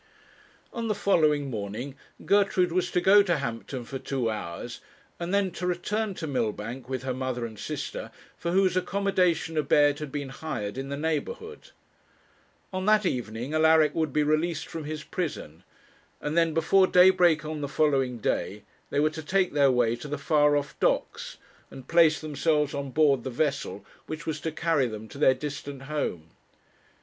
On the following morning Gertrude was to go to Hampton for two hours, and then to return to Millbank, with her mother and sister, for whose accommodation a bed had been hired in the neighbourhood. On that evening Alaric would be released from his prison; and then before daybreak on the following day they were to take their way to the far off docks, and place themselves on board the vessel which was to carry them to their distant home.